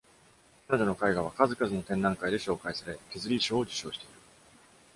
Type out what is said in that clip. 彼女の絵画は数々の展覧会で紹介され、チェズリー賞を受賞している。